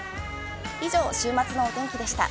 以上、週末のお天気でした。